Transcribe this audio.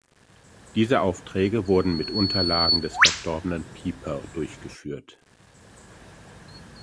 Diese Aufträge wurden mit Unterlagen des verstorbenen Piper durchgeführt.